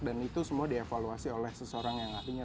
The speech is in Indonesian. dan itu semua dievaluasi oleh seseorang yang ahlinya